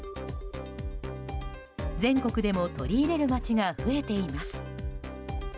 全国でも取り入れる街が増えています。